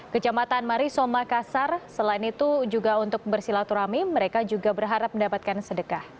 ke jaman marisoma makassar selain itu juga untuk bersilaturahmi mereka juga berharap mendapatkan sedekah